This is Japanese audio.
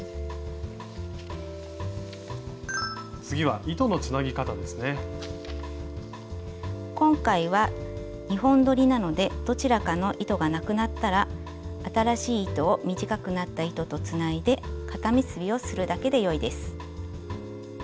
次は今回は２本どりなのでどちらかの糸がなくなったら新しい糸を短くなった糸とつないで固結びをするだけでよいです。